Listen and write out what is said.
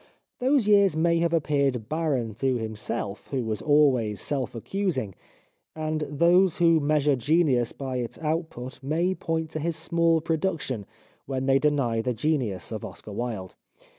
Those years may have appeared barren to himself, who was always self accusing ; and those who measure genius by its output may point to his small production when they deny the genius of Oscar Wilde.